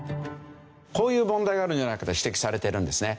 こういう問題があるんじゃないかと指摘されてるんですね。